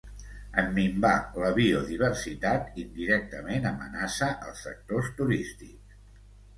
En minvar la biodiversitat, indirectament amenaça els sectors turístics.